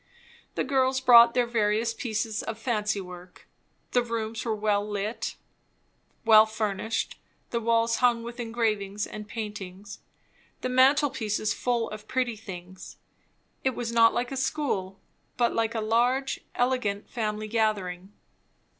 The girls brought their various pieces of fancy work; the rooms were well lighted, well furnished, the walls hung with engravings and paintings, the mantelpieces full of pretty things; it was not like a school, but like a large, elegant family gathering.